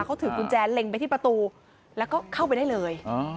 เขาถือกุญแจเล็งไปที่ประตูแล้วก็เข้าไปได้เลย